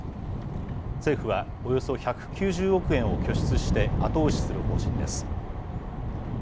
政府はおよそ１９０億円を拠出して、後押しする方針です。